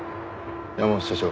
山本社長